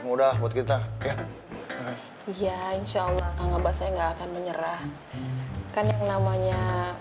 mudah buat kita ya iya insyaallah kakak saya nggak akan menyerah kan yang namanya